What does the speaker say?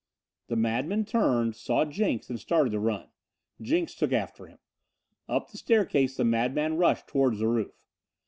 The madman turned, saw Jenks, and started to run. Jenks took after him. Up the staircase the madman rushed toward the roof.